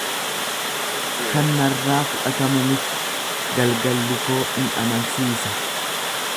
Kan narraa fudhatamu miti, galgalli koo in amansiisa.